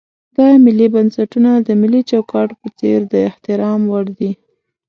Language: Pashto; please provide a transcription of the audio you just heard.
دا ملي بنسټونه د ملي چوکاټ په څېر د احترام وړ دي.